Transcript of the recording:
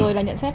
rồi là nhận xét